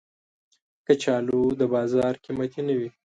کچالو د بازار قېمتي نه وي